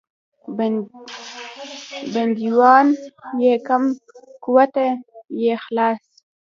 بندیوان یې کم قوته نه یې خلاص.